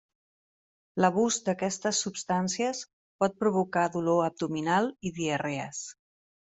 L'abús d'aquestes substàncies pot provocar dolor abdominal i diarrees.